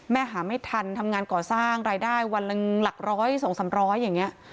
หาไม่ทันทำงานก่อสร้างรายได้วันละหลักร้อยสองสามร้อยอย่างนี้